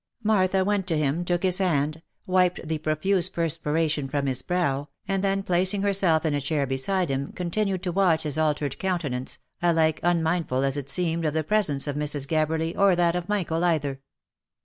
Martha went to him, took his hand, wiped the profuse perspiration from his brow, and then placing herself in a chair beside him, con tinued to watch his altered countenance, alike unmindful as it seemed of the presence of Mrs. Gabberly, or that of Michael either.